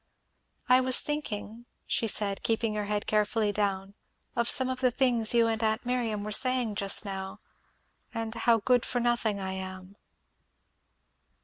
"I was thinking," she said, keeping her head carefully down, "of some of the things you and aunt Miriam were saying just now, and how good for nothing I am."